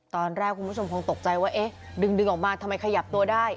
ตอนแรกคุณผู้ชมคงตกใจว่าเอ๊ะดึงออกมาทำไมขยับตัวได้